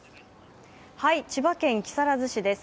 千葉県木更津市です。